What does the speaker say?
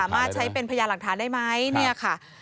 สามารถใช้เป็นพยาหลักฐานได้มั้ยเนี่ยค่ะ